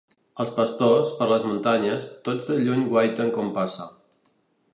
Els pastors, per les muntanyes, tots de lluny guaiten com passa.